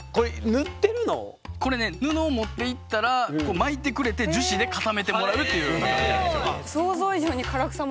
これね布を持っていったら巻いてくれて樹脂で固めてもらうっていうような感じなんですよね。